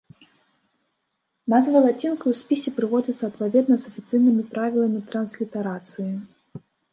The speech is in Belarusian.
Назвы лацінкай у спісе прыводзяцца адпаведна з афіцыйнымі правіламі транслітарацыі.